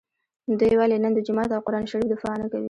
دوی ولي نن د جومات او قران شریف دفاع نکوي